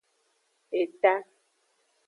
Eta.